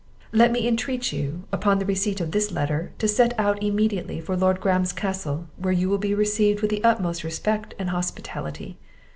Let me intreat you, on the receipt of this letter, to set out immediately for Lord Graham's castle, where you will be received with the utmost respect and hospitality.